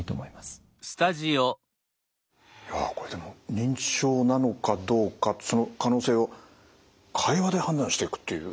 認知症なのかどうかその可能性を会話で判断していくっていう。